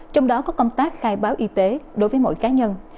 trong đó có công tác khai báo y tế đối với mỗi cá nhân